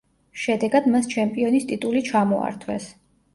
შედეგად მას ჩემპიონის ტიტული ჩამოართვეს.